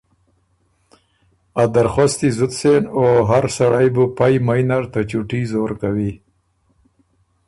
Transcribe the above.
ا درخوستي زُت سېن او هر سړئ بُو پئ مئ نر ته چُوټي زور کوی۔